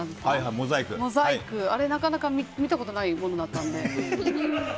モザイク、あれなかなか見たことないものだったんで。